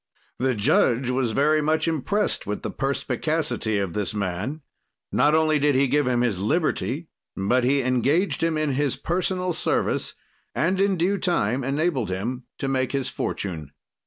"The judge was very much imprest with the perspicacity of this man; not only did he give him his liberty, but he engaged him in his personal service and in due time enabled him to make his fortune."